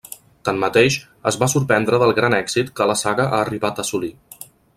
Tanmateix, es va sorprendre del gran èxit que la saga ha arribat a assolir.